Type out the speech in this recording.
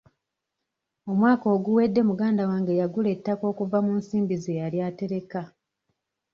Omwaka oguwedde muganda wange yagula ettaka okuva mu nsimbi ze yali atereka.